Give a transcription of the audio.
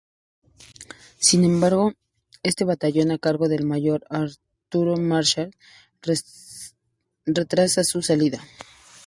Sin embargo, este batallón a cargo del mayor Arturo Marshall, retrasa su salida.